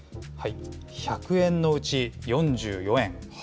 １００円のうち４４円。